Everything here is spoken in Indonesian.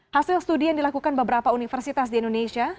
hasil studi yang dilakukan beberapa universitas di indonesia